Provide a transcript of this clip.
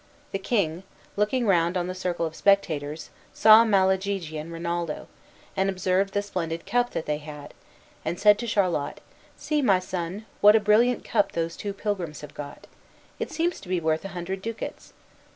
The king, looking round on the circle of spectators, saw Malagigi and Rinaldo, and observed the splendid cup that they had, and said to Charlot, "See, my son, what a brilliant cup those two pilgrims have got. It seems to be worth a hundred ducats."